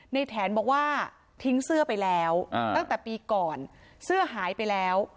แถนบอกว่าทิ้งเสื้อไปแล้วตั้งแต่ปีก่อนเสื้อหายไปแล้ว